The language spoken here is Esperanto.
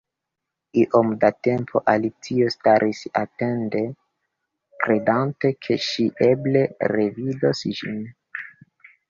Iom da tempo Alicio staris atende, kredante ke ŝi eble revidos ĝin.